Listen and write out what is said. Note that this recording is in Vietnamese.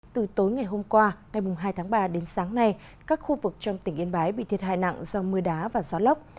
từ tối ngày hôm qua ngày hai tháng ba đến sáng nay các khu vực trong tỉnh yên bái bị thiệt hại nặng do mưa đá và gió lốc